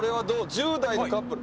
１０代のカップル。